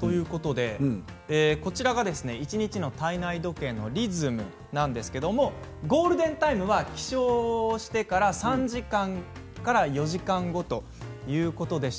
ということでこちらが一日の体内時計のリズムなんですけれどゴールデンタイムは起床して３時間から４時間後ということでした。